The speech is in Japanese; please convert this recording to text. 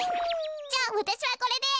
じゃあわたしはこれで。